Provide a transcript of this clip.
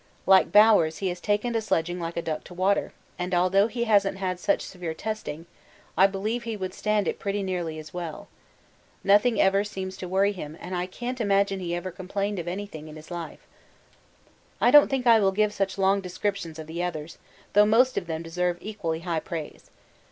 Like Bowers he has taken to sledging like a duck to water, and although he hasn't had such severe testing, I believe he would stand it pretty nearly as well. Nothing ever seems to worry him, and I can't imagine he ever complained of anything in his life. 'I don't think I will give such long descriptions of the others, though most of them deserve equally high praise.